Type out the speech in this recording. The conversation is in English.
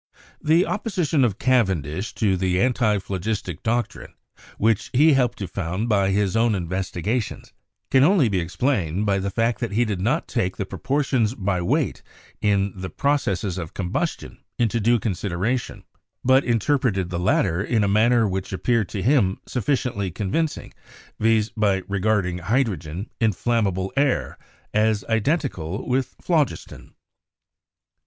The opposition of Cavendish to the antiphlogistic doc trine, which he helped to found by his own investigations, can only be explained by the fact that he did not take the proportions by weight in the processes of combustion into due consideration, but interpreted the latter in a manner which appeared to him sufficiently convincing, viz., by regarding hydrogen, "inflammable air," as identical with phlogiston.